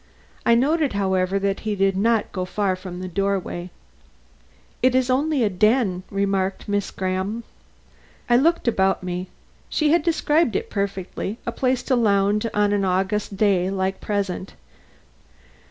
I noted, however, that he did not go far from the doorway. "It is only a den," remarked Miss Graham. I looked about me. She had described it perfectly: a place to lounge in on an August day like the present.